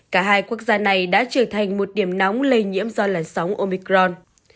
cả hai quốc gia này đã trở thành một điểm nóng lây nhiễm do làn sóng omicron